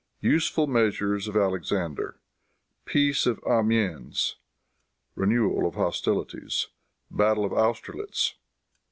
Useful Measures of Alexander. Peace of Amiens. Renewal of Hostilities. Battle of Austerlitz.